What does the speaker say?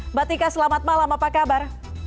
mbak tika selamat malam apa kabar